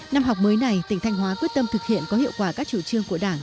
năm học mới này tỉnh thanh hóa quyết tâm thực hiện có hiệu quả các chủ trương của đảng